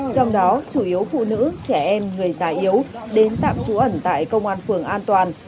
trong đó chủ yếu phụ nữ trẻ em người già yếu đến tạm trú ẩn tại công an phường an toàn